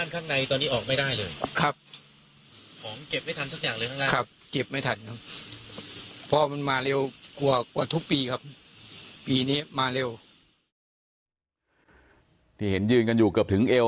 จะมาเร็วกว่ากว่าทุกปีครับปีนี้มาเร็ว